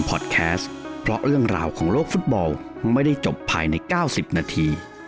โปรดติดตามตอนต่อไป